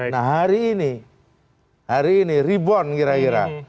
nah hari ini hari ini rebound kira kira